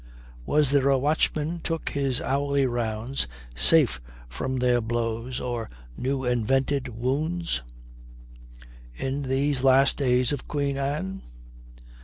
"Was there a Watchman took his hourly rounds Safe from their blows or new invented wounds" in these last days of Queen Anne?